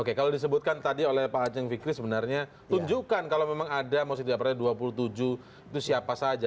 oke kalau disebutkan tadi oleh pak aceh fikri sebenarnya tunjukkan kalau memang ada maksudnya tidak pernah dua puluh tujuh itu siapa saja